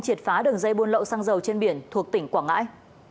triệt phá đường dây buôn lậu xăng dầu trên biển thuộc tỉnh quảng ngãi